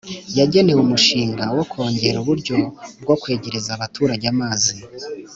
Yagenewe umushinga wo kongera uburyo bwo kwegereza abaturage amazi